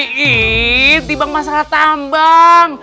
iii dibang masalah tambang